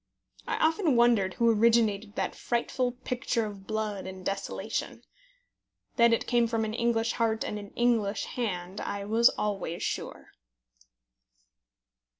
I often wondered who originated that frightful picture of blood and desolation. That it came from an English heart and an English hand I was always sure.